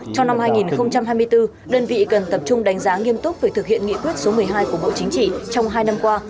trong năm hai nghìn hai mươi bốn đơn vị cần tập trung đánh giá nghiêm túc về thực hiện nghị quyết số một mươi hai của bộ chính trị trong hai năm qua